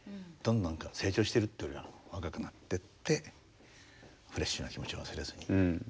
どんどん成長してるっていうよりは若くなってってフレッシュな気持ちを忘れずに。